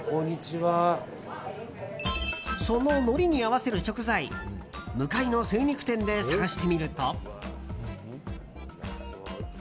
その、のりに合わせる食材向かいの精肉店で探してみると。